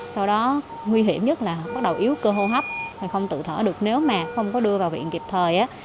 sau đó nguy hiểm nhất là bắt đầu yếu cơ hô hấp không tự thở được nếu mà không có đưa vào viện kịp thời